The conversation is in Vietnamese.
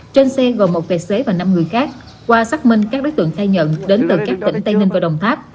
trên xe gồm một tài xế và năm người khác qua xác minh các đối tượng khai nhận đến từ các tỉnh tây ninh và đồng tháp